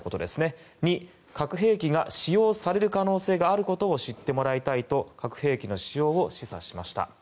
それに核兵器が使用される可能性があることを知ってもらいたいと核兵器の使用を示唆しました。